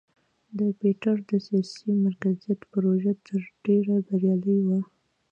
د پیټر د سیاسي مرکزیت پروژه تر ډېره بریالۍ وه.